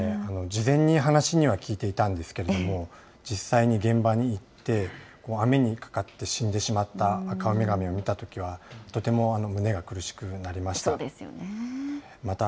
事前に話には聞いていたんですけれども、実際に現場に行って、網にかかって死んでしまったアカウミガメを見たときは、とても胸が苦しくなりました。